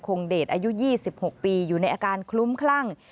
คงเดชอายุยี่สิบหกปีอยู่ในอาการคลุ้มคลั่ง